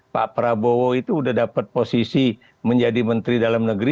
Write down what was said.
pak prabowo itu sudah dapat posisi menjadi menteri dalam negeri